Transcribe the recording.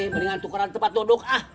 mendingan tukeran tempat duduk